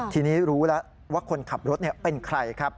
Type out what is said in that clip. ทีนี้รู้แล้วว่าคนขับรถเป็นใครครับ